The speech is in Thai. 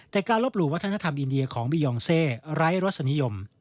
แต่การลบหลู่วัฒนธรรมอินเดียของบียองเซไร้รสนิยม